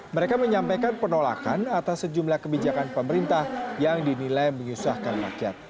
mereka menyampaikan penolakan atas sejumlah kebijakan pemerintah yang dinilai menyusahkan rakyat